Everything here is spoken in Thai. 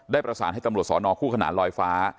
ประสานให้ตำรวจสอนอคู่ขนานลอยฟ้า